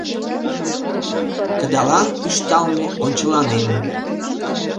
Кыдалан ӱшталме ончыланем